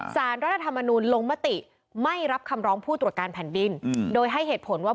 สารรัฐธรรมนูลลงมติไม่รับคำร้องผู้ตรวจการแผ่นดินโดยให้เหตุผลว่า